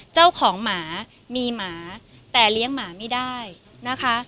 เจ้าของหมามีหมาแต่เลี้ยงหมาไม่ได้นะคะ